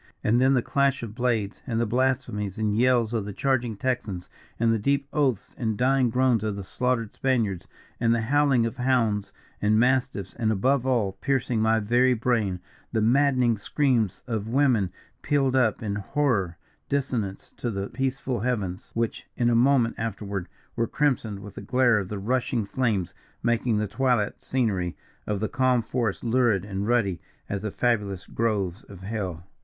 And then the clash of blades, and the blasphemies and yells of the charging Texans, and the deep oaths and dying groans of the slaughtered Spaniards and the howling of hounds and mastiffs; and, above all, piercing my very brain, the maddening screams of women pealed up in horrid dissonance to the peaceful heavens, which, in a moment afterward, were crimsoned with the glare of the rushing flames, making the twilight scenery of the calm forest lurid and ruddy as the fabulous groves of hell!